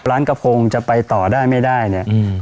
ร้านกระโพงจะไปต่อได้ไม่ได้เนี่ย